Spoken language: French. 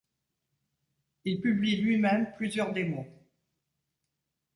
Il publie lui-même plusieurs démos.